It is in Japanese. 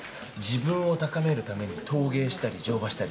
自分を高めるために陶芸したり乗馬したり。